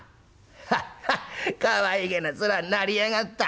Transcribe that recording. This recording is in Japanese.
ハッハッかわいげな面になりやがった！